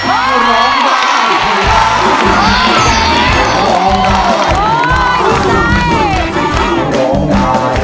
โอ้ยชิคกี้พาย